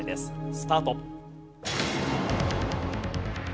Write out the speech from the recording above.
スタート。